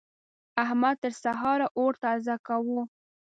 احمد تر سهار اور تازه کاوو.